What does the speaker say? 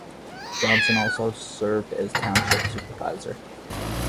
Johnson also served as township supervisor.